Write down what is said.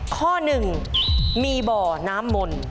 ข้อหนึ่งมีบ่อน้ำมนต์